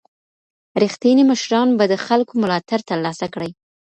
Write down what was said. رښتیني مشران به د خلګو ملاتړ ترلاسه کړي.